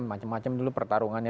macam macam dulu pertarungannya